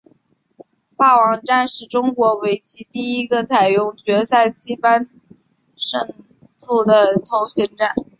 霸王战是中国围棋第一个采用决赛七番胜负的头衔战。